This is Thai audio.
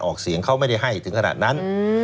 ออกเสียงเขาไม่ได้ให้ถึงขนาดนั้น